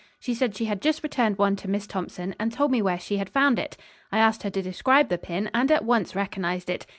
She said she had just returned one to Miss Thompson, and told me where she found it. I asked her to describe the pin, and at once recognized it.